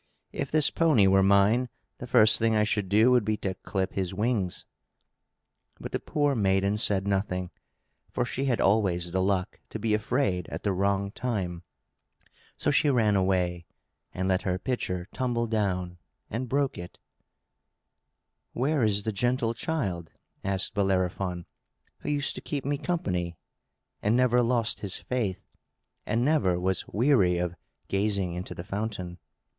"If this pony were mine, the first thing I should do would be to clip his wings!" But the poor maiden said nothing, for she had always the luck to be afraid at the wrong time. So she ran away, and let her pitcher tumble down, and broke it. "Where is the gentle child," asked Bellerophon, "who used to keep me company, and never lost his faith, and never was weary of gazing into the fountain?"